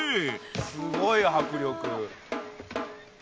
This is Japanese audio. すごい迫力。